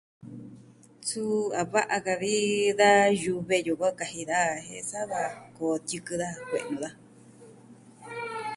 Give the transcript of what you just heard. Suu a va'a ka vi da yuve yukuan kaji daja jen sa va koo tiɨkɨ daja kue'nu daja.